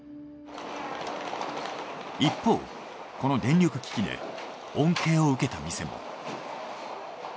一方この電力危機で恩恵を受けた店も。